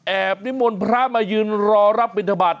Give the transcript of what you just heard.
แอบนิมนต์พระมายืนรอรับบินธบัตร